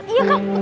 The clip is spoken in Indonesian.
iya kak itu dia